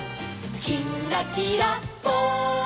「きんらきらぽん」